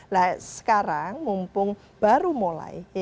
nah sekarang mumpung baru mulai